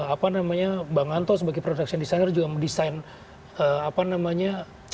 apa namanya bang anto sebagai production designer juga mendesain apa namanya